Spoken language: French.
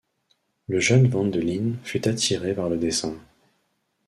Le jeune Vandeleene fut attiré par le dessin.